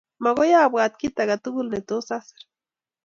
Makoy abwat kit ake tugul ne tos asir.